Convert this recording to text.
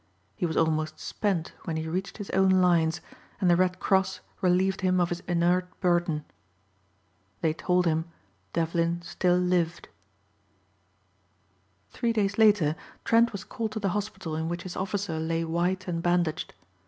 He was almost spent when he reached his own lines and the Red Cross relieved him of his inert burden. They told him Devlin still lived. Three days later Trent was called to the hospital in which his officer lay white and bandaged.